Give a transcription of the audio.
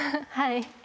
はい。